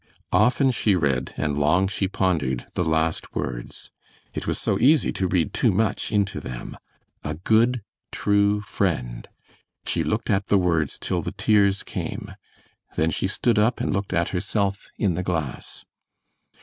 Often she read and long she pondered the last words. It was so easy to read too much into them. "A good, true friend." She looked at the words till the tears came. Then she stood up and looked at herself in the glass.